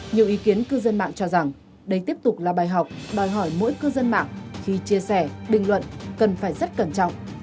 nhiều ý kiến cư dân mạng cho rằng đây tiếp tục là bài học đòi hỏi mỗi cư dân mạng khi chia sẻ bình luận cần phải rất cẩn trọng